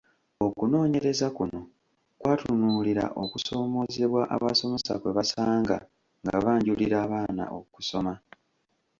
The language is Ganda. Okunoonyereza kuno kwatunuulira kusomoozebwa abasomesa kwe basanga nga banjulira abaana okusoma.